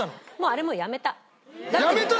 あれもうやめた。